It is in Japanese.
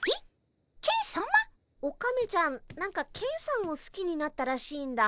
オカメちゃん何かケンさんをすきになったらしいんだ。